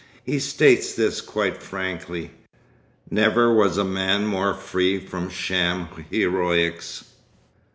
He states this quite frankly. Never was a man more free from sham heroics.